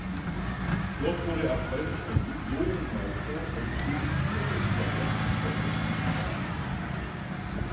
Dort wurde er polnischer Juniorenmeister und debütierte in der ersten polnischen Liga.